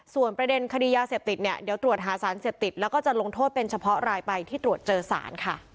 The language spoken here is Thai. ส่วนประเด็นคดียาเสพติดเนี่ยเดี๋ยวตรวจหาสารเสพติดแล้วก็จะลงโทษเป็นเฉพาะรายใบที่ตรวจเจอสารค่ะ